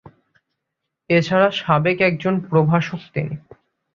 এছাড়া সাবেক একজন প্রভাষক তিনি।